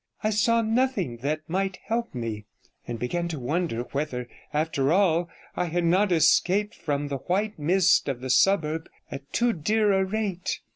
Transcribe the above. I saw nothing that might help me, and began to wonder whether, after all, I had not escaped from the white mist of the suburb at too dear a rate.